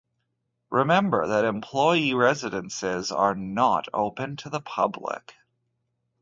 Remember that employee residences are not open to the public.